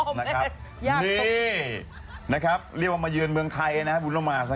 ใจนะครับนี่นะครับเรียกว่ามาเยือนเมืองไทยนะฮะ